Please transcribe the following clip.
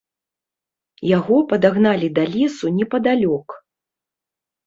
Яго падагналі да лесу непадалёк.